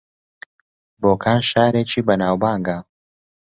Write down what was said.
بۆکان شارێکی بەناوبانگە